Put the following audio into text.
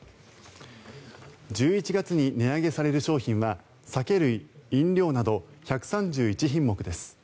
１１月に値上げされる商品は酒類・飲料など１３１品目です。